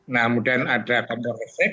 nah kemudian ada kompor listrik